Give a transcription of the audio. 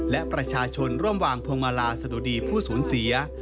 และประชาชนร่วมวางพวงมาลาสะดุดีผู้สูญเสีย